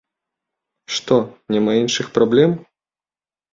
Што, няма іншых праблем?